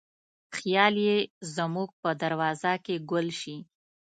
خیال یې زموږ په دروازه کې ګل شي